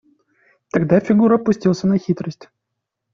Тогда Фигура пустился на хитрость.